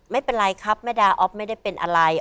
ไม่เป็นไรครับแม่ดาอ๊อฟไม่ได้เป็นอะไร